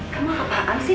kamu apaan sih